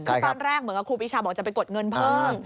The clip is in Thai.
คือตอนแรกเหมือนกับครูปีชาบอกจะไปกดเงินเพิ่ม